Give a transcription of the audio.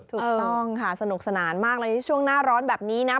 ถูกต้องค่ะสนุกสนานมากเลยช่วงหน้าร้อนแบบนี้นะ